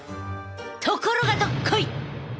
ところがどっこい！